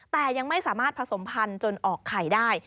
แต่ยังไม่สามารถผสมพันธุ์จนออกไข่ได้